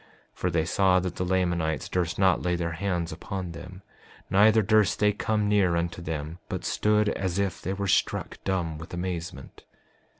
5:25 For they saw that the Lamanites durst not lay their hands upon them; neither durst they come near unto them, but stood as if they were struck dumb with amazement.